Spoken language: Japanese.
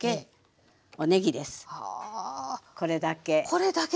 これだけ。